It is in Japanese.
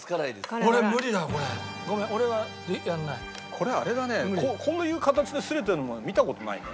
これあれだねこういう形ですれてるのは見た事ないね。